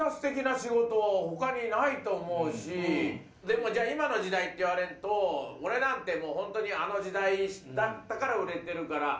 でもじゃあ今の時代って言われると俺なんてもう本当にあの時代だったから売れてるから。